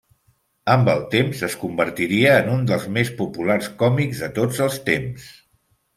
Amb el temps es convertiria en un dels més populars còmics de tots els temps.